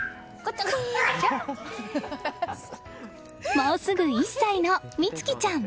もうすぐ１歳の明季ちゃん。